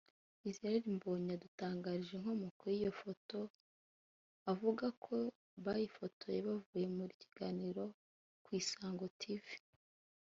Israel Mbonyi yadutangarije inkomoko y'iyo foto avuga ko bayifotoje bavuye mu kiganiro ku Isango Tv